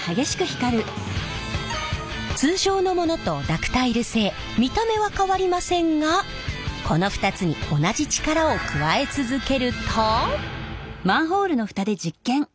通常のものとダクタイル製見た目は変わりませんがこの２つに同じ力を加え続けると。